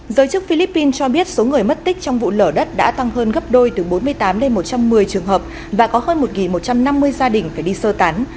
giới chức philippines cho biết số người mất tích trong vụ lở đất đã tăng hơn gấp đôi từ bốn mươi tám lên một trăm một mươi trường hợp và có hơn một một trăm năm mươi gia đình phải đi sơ tán